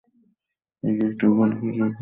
এ কি একটা গল্প যে উপন্যাস লিখিতে বসিলাম।